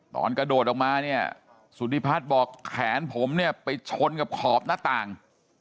ตอนกระโดดออกมาสุธิพรรดิบอกแขนผมไปชนกับขอบหน้าต่าง